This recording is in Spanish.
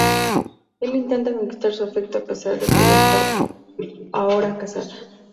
Él intenta conquistar su afecto, a pesar de que ella está ahora casada.